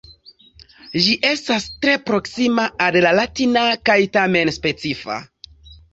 Ĝi estas tre proksima al la latina kaj tamen specifa.